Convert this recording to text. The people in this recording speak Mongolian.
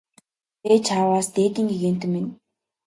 Ээ чааваас дээдийн гэгээнтэн минь!